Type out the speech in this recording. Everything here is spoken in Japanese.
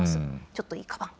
ちょっといいかばん。